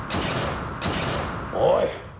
おい！